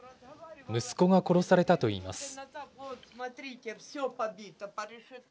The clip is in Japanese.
息子が殺されたといいます。